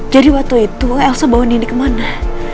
jadi waktu itu elsa bawa nindi kemana